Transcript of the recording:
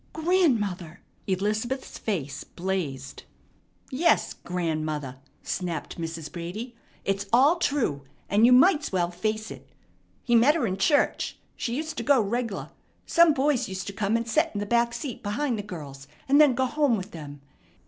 "Grandmother!" Elizabeth's face blazed. "Yes, gran'mother!" snapped Mrs. Brady. "It's all true, and you might's well face it. He met her in church. She used to go reg'lar. Some boys used to come and set in the back seat behind the girls, and then go home with them.